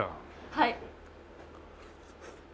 はい。